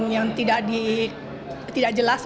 yang tidak jelas